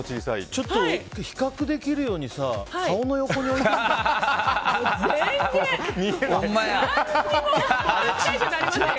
ちょっと比較できるように顔の横に置いてみてくれる？